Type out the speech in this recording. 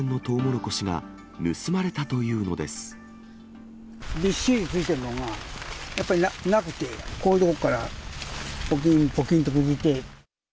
みっしりついているのがやっぱりなくて、こういう所からぽきんぽきんと抜いて。